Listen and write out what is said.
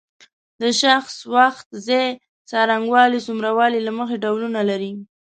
د شخص وخت ځای څرنګوالی څومره والی له مخې ډولونه لري.